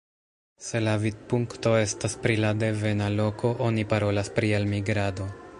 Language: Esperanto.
Se la vidpunkto estas pri la devena loko, oni parolas pri elmigrado.